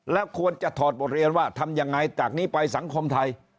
แล้วควรจะถอดบทเรียนว่าทำยังไงจากนี้ไปสังคมไทย